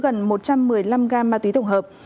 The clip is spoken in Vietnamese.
gần một trăm một mươi năm gam ma túy tổng hợp